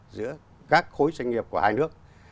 giữa các khối doanh nghiệp của hai nước